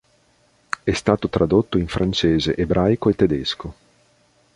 È stato tradotto in francese, ebraico e tedesco.